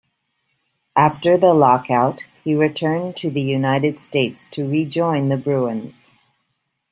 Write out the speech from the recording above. After the lockout, he returned to the United States to rejoin the Bruins.